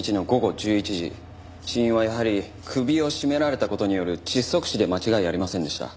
死因はやはり首を絞められた事による窒息死で間違いありませんでした。